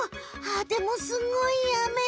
あでもすごいあめ。